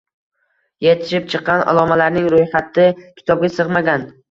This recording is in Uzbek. Yetishib chiqqan allomalarning ro‘yxati kitobga sig‘magan.